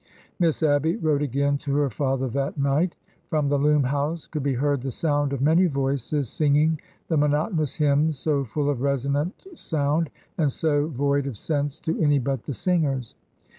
Miss Abby wrote again to her father that night. From the Loom house could be heard the sound of many voices singing the monotonous hymns so full of resonant sound and so void of sense to any but the singers.